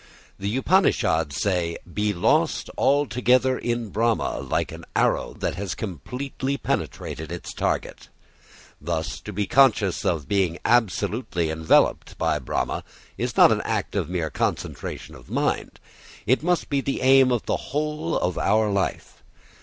The Upanishads say: Be lost altogether in Brahma like an arrow that has completely penetrated its target. Thus to be conscious of being absolutely enveloped by Brahma is not an act of mere concentration of mind. It must be the aim of the whole of our life.